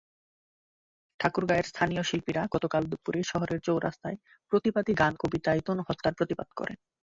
ঠাকুরগাঁওয়ের স্থানীয় শিল্পীরা গতকাল দুপুরে শহরের চৌরাস্তায় প্রতিবাদী গান-কবিতায় তনু হত্যার প্রতিবাদ করেন।